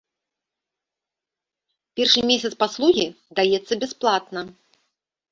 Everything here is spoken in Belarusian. Першы месяц паслугі даецца бясплатна.